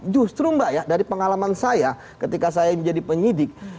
justru mbak ya dari pengalaman saya ketika saya menjadi penyidik